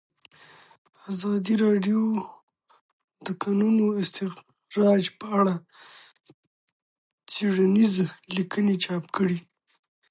ازادي راډیو د د کانونو استخراج په اړه څېړنیزې لیکنې چاپ کړي.